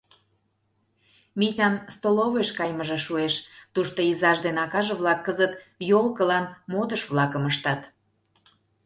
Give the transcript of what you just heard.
Митян столовыйыш кайымыже шуэш, тушто изаж ден акаже-влак кызыт ёлкылан модыш-влакым ыштат.